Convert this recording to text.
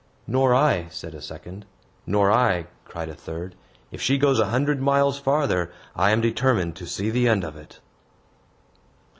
"Nor I!" said a second. "Nor I!" cried a third. "If she goes a hundred miles farther, I am determined to see the end of it."